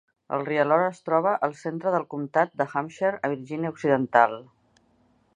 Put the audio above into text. El rierol es troba al centre del Comtat de Hampshire, a Virgínia Occidental.